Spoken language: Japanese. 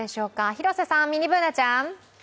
広瀬さん、ミニＢｏｏｎａちゃん。